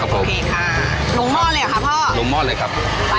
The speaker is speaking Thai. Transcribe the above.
๑เหมือนกัน